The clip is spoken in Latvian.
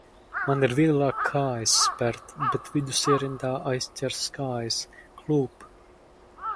Man ir vieglāk kājas spert, bet vidus ierindā aizķeras kājas, klūp.